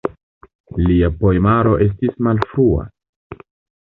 Lia poemaro estis malfrua.